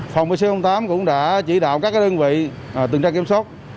phòng pc tám cũng đã chỉ đạo các cái đơn vị tường tra kiểm soát